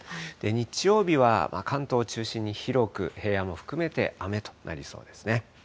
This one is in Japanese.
日曜日は、関東を中心に、広く平野も含めて雨となりそうですね。